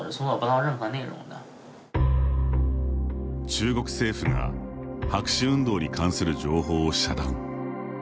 中国政府が白紙運動に関する情報を遮断。